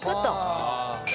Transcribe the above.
ああ。